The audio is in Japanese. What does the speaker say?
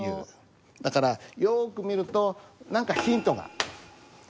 だからよく見ると何かヒントがどこかにある！